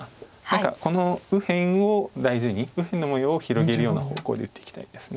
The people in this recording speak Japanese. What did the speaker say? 何かこの右辺を大事に右辺の模様を広げるような方向で打っていきたいです。